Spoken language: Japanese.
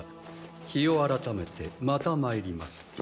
日を改めてまた参ります。